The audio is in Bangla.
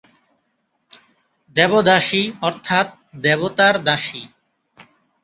দেবদাসী অর্থাৎ দেবতার দাসী।